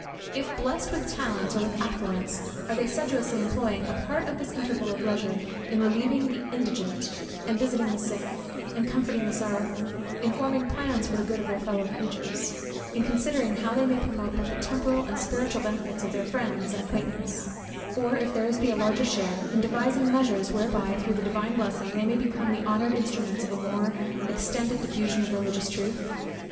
If blessed with talents or with affluence, are they sedulously employing a part of this interval of leisure in relieving the indigent, and visiting the sick, and comforting the sorrowful, in forming plans for the good of their fellow creatures, in considering how they may promote both the temporal and spiritual benefit of their friends and acquaintance: or if their's be a larger sphere, in devising measures whereby through the Divine blessing, they may become the honoured instruments of the more extended diffusion of religious truth?